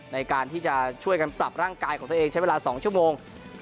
ในการที่จะช่วยกันปรับร่างกายของตัวเองใช้เวลา๒ชั่วโมง